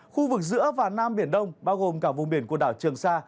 khu vực giữa và nam biển đông bao gồm cả vùng biển quần đảo trường sa